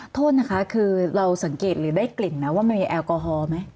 ทนนะคะคือเราสังเกตได้กลิ่นว่ามันมีแอลกอฮอล์มั้ย